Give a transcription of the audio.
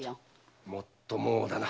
もっともだな。